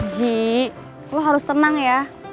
ji lo harus tenang ya